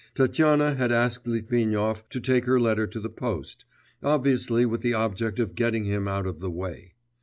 Tatyana had asked Litvinov to take her letter to the post, obviously with the object of getting him out of the way.